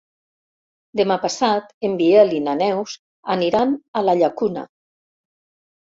Demà passat en Biel i na Neus aniran a la Llacuna.